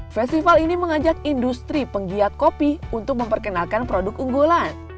festival ini mengajak industri penggiat kopi untuk memperkenalkan produk unggulan